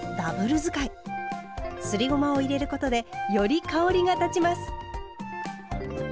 すりごまを入れることでより香りが立ちます。